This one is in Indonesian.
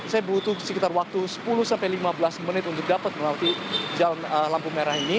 saya butuh sekitar waktu sepuluh sampai lima belas menit untuk dapat melewati jalan lampu merah ini